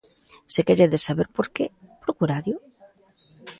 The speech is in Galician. Se queredes saber por que, procurádeo.